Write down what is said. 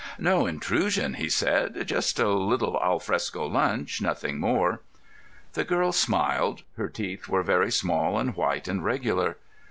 "No intrusion," he said. "Just a little al fresco lunch, nothing more." The girl smiled. Her teeth were very small and white and regular.